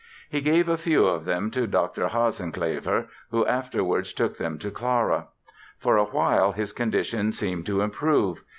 He gave a few of them to Dr. Hasenclever, who afterwards took them to Clara. For a while his condition seemed to improve.